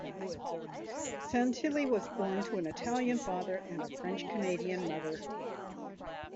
Santilli was born to an Italian father and a French-Canadian mother.